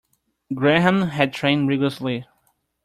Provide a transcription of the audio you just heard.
Graham had trained rigourously.